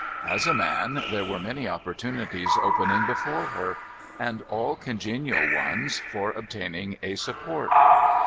As a man, there were many opportunities opening before her, and all congenial ones, for obtaining a support.